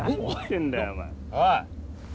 おい。